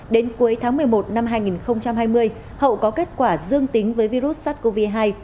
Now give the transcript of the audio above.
đến cuối tháng một mươi một năm hai nghìn hai mươi hậu có kết quả dương tính với virus sars cov hai